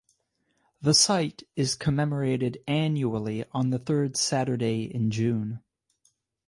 The site is commemorated annually on the third Saturday in June.